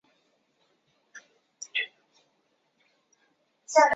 桃儿七属是小檗科下的一个属。